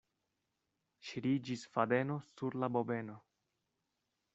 Ŝiriĝis fadeno sur la bobeno.